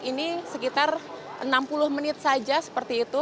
ini sekitar enam puluh menit saja seperti itu